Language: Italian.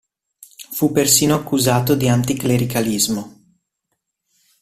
Fu persino accusato di anticlericalismo.